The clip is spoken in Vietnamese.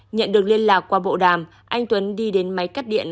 nhận được liên lạc qua bộ đàm anh tuấn đi đến máy cắt điện